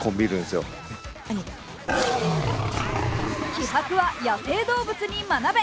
気迫は野生動物に真鍋。